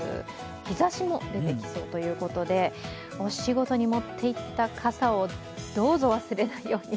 日ざしも出てきそうということで、お仕事に持っていった傘を、どうぞ忘れないように。